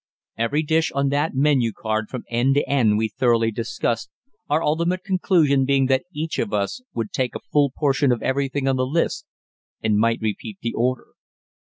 Every dish on that menu card from end to end we thoroughly discussed, our ultimate conclusion being that each of us would take a full portion of everything on the list and might repeat the order.